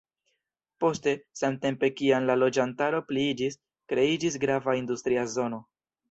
Poste, samtempe kiam la loĝantaro pliiĝis, kreiĝis grava industria zono.